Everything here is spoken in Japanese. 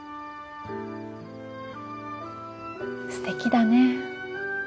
すてきだねえ。